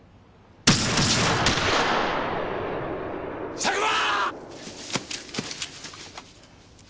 佐久間！！